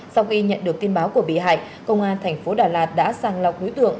sau khi nhận được tin báo của bị hại công an tp đà đạt đã sàng lọc đối tượng